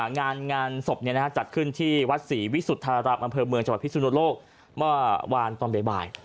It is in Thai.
งานศพจัดขึ้นที่วัดศรีวิสุทธารามอำเภอเมืองจังหวัดพิสุนโลกเมื่อวานตอนบ่าย